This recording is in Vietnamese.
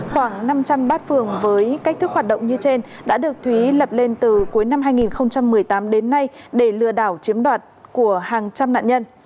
khoảng năm trăm linh bát phường với cách thức hoạt động như trên đã được thúy lập lên từ cuối năm hai nghìn một mươi tám đến nay để lừa đảo chiếm đoạt